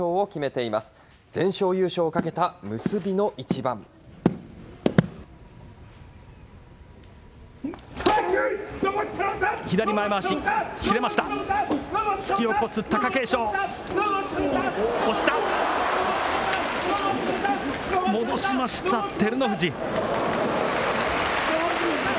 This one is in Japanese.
戻しました、照ノ富士。